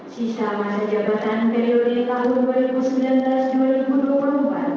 sistema sejabatan periodik tahun dua ribu sembilan belas dua ribu dua puluh empat